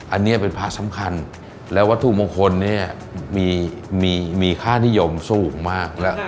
อันนี้เป็นภาคสำคัญและวัตถุมงคลมีค่านิยมสูงมาก